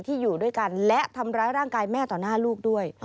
อยู่ด้วยกันและทำร้ายร่างกายแม่ต่อหน้าลูกด้วย